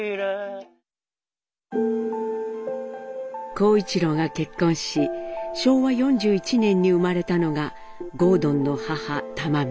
公一郎が結婚し昭和４１年に生まれたのが郷敦の母・玉美。